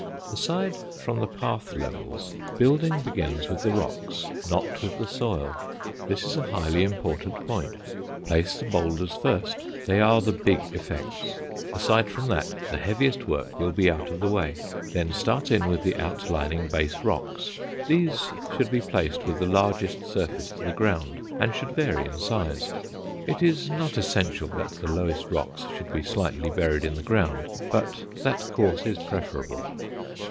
Aside from the path levels, building begins with the rocks, not with the soil. This is a highly important point. Place the boulders first; they are the big effects. Aside from that, the heaviest work will be out of the way. Then start in with the outlining base rocks. These should be placed with the largest surface to the ground and should vary in size. It is not essential that the lowest rocks should be slightly buried in the ground, but that course is preferable.